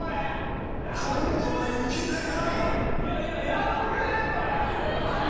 今度はいけたか？